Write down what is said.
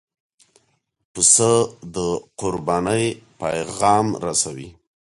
پسه د قربانۍ پیغام رسوي.